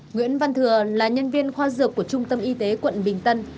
nguyễn văn thừa là nhân viên khoa dược của trung tâm y tế quận bình tân